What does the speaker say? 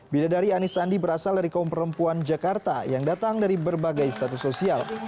bidadari anies sandi berasal dari kaum perempuan jakarta yang datang dari berbagai status sosial